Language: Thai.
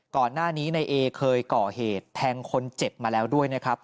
ก่อนหน้านี้นายเอเคยก่อเหตุแทงคนเจ็บมาแล้วด้วยนะครับ